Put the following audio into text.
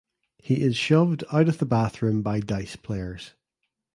He is shoved out of the bathroom by dice players.